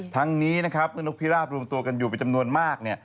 ทั้งนี้นะครับเมื่อนกพิราบรวมตัวกันอยู่เป็นจำนวนมาก